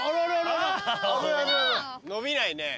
伸びないね。